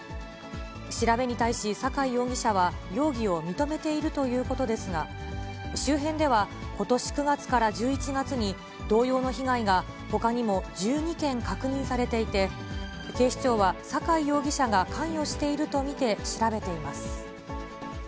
調べに対し、酒井容疑者は容疑を認めているということですが、周辺ではことし９月から１１月に、同様の被害がほかにも１２件確認されていて、警視庁は酒井容疑者が関与していると見て調べています。